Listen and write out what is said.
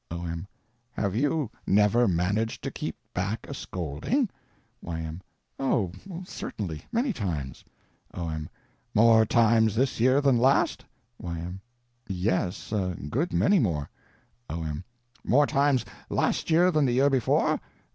O.M. Have you never managed to keep back a scolding? Y.M. Oh, certainly—many times. O.M. More times this year than last? Y.M. Yes, a good many more. O.M. More times last year than the year before?